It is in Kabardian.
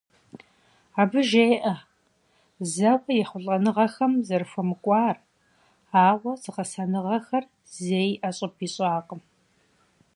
Абы жеӏэ зэуэ ехъулӏэныгъэхэм зэрыхуэмыкӏуар, ауэ зыгъэсэныгъэхэр зэи ӏэщӏыб ищӏакъым.